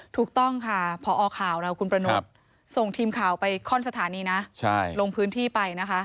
ถูกต้องค่ะพอข่าวเราคุณประนุษย์ส่งทีมข่าวไปข้อนสถานีนะลงพื้นที่ไปนะคะ